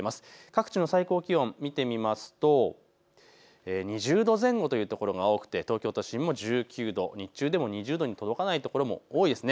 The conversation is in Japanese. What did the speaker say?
各地の最高気温を見てみると２０度前後という所が多く東京都心も１９度、日中でも２０度に届かない所が多いです。